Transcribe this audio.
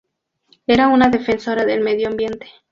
Era una defensora del medio ambiente.